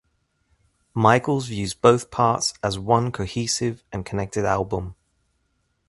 Michaels views both parts as one cohesive and connected album.